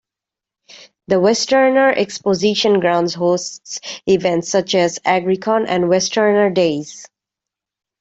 The Westerner Exposition Grounds hosts events such as Agricon and Westerner Days.